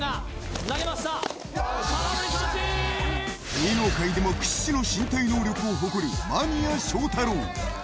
芸能界でも屈指の身体能力誇る間宮祥太朗。